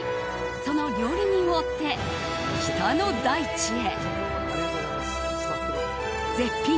その料理人を追って、北の大地へ。